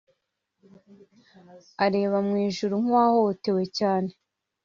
Areba mu ijuru nkuwahohotewe cyane